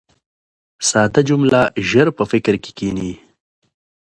ساده جمله ژر په فکر کښي کښېني.